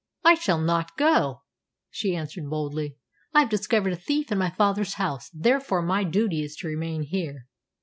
"I shall not go," she answered boldly. "I have discovered a thief in my father's house; therefore my duty is to remain here."